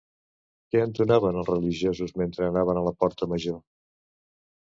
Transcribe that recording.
Què entonaven els religiosos mentre anaven a la porta major?